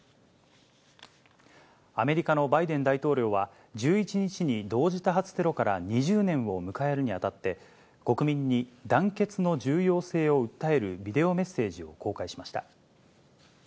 アメリカのバイデン大統領は、１１日に同時多発テロから２０年を迎えるにあたって、国民に団結の重要性を訴えるビデオメッセージを公開しました。